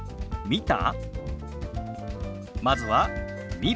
「見た？」。